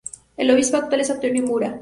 El obispo actual es Antonio Mura.